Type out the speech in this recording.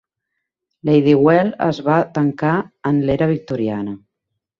Ladywell es va tancar en l'era victoriana.